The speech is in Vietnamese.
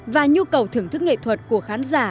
và nhu cầu thưởng thức nghệ thuật của khán giả